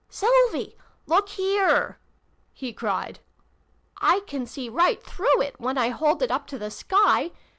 "Sylvie! Look here!" he cried. " I can see right through it when I hold it up to the sky.